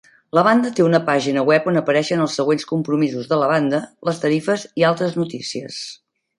La banda té una pàgina web on apareixen els següents compromisos de la banda, les tarifes i altres notícies.